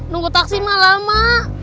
nunggu taksi mah lama